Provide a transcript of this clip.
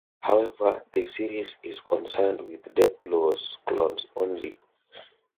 However, the series is concerned with Deathblow's clones only.